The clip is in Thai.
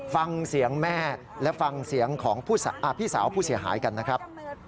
ฟังเสียงแม่และฟังเสียงของพี่สาวผู้เสียหายกันนะครับ